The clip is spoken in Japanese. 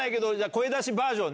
声出しバージョン。